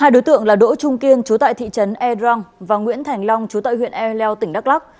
hai đối tượng là đỗ trung kiên chú tại thị trấn e răng và nguyễn thành long chú tại huyện e leo tỉnh đắk lắc